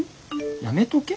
「やめとけ」